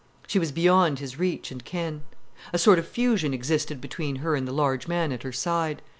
She was beyond his reach and ken. A sort of fusion existed between her and the large man at her side.